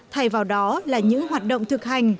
thay vào đó là những hoạt động thực hành